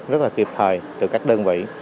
rất là kịp thời từ các đơn vị